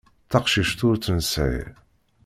Taqcict ur tt-nesɛi.